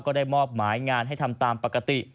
ก็ได้มอบหมายงานให้ทำตามปกติ